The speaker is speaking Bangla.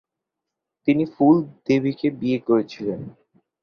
তিনি ফুল দেবীকে বিয়ে করেছিলেন।